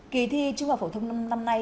kỳ thi trung học phổ thông năm nay